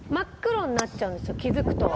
気付くと。